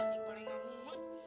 nih boleh gak ngomot